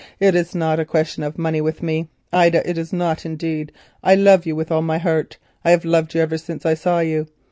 "It is not a question of money with me, Ida, it is not, indeed. I love you with all my heart. I have loved you ever since I saw you.